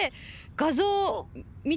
画像？